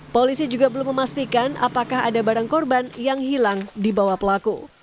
polisi juga belum memastikan apakah ada barang korban yang hilang di bawah pelaku